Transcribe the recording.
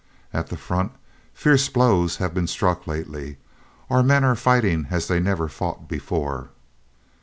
"At the front, fierce blows have been struck lately. Our men are fighting as they never fought before....